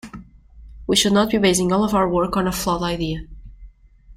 We should not be basing all of our work on a flawed idea.